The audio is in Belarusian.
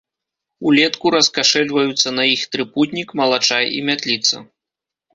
Улетку раскашэльваюцца на іх трыпутнік, малачай і мятліца.